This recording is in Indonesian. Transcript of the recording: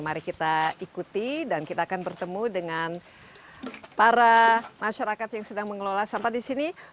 mari kita ikuti dan kita akan bertemu dengan para masyarakat yang sedang mengelola sampah di sini